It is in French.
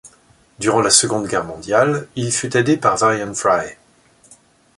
Durant la Seconde Guerre mondiale, il fut aidé par Varian Fry.